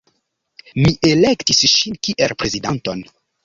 Mi elektis ŝin kiel prezidanton.